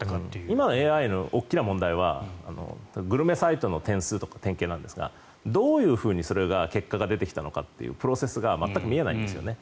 今、ＡＩの大きな問題はグルメサイトの点数とかが典型なんですがどういうふうにそれが結果が出てきたのかというプロセスが全く見えないんですね。